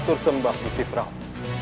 atur sembah gusti prabu